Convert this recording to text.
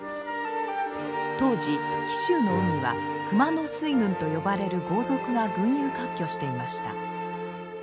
当時紀州の海は熊野水軍と呼ばれる豪族が群雄割拠していました。